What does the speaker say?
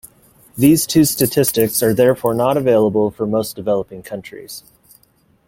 These two statistics are therefore not available for most developing countries.